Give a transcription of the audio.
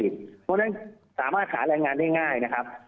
เพราะฉะนั้นสามารถหาแรงงานได้ง่ายนะครับ